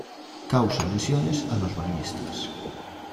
Causa lesiones a los bañistas.